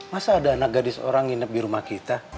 masa ada anak gadis orang nginep di rumah kita